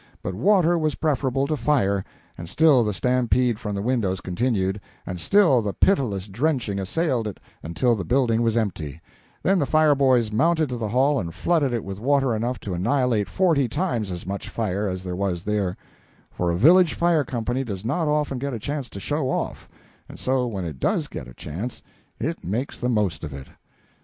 But water was preferable to fire, and still the stampede from the windows continued, and still the pitiless drenching assailed it until the building was empty; then the fire boys mounted to the hall and flooded it with water enough to annihilate forty times as much fire as there was there; for a village fire company does not often get a chance to show off, and so when it does get a chance it makes the most of it.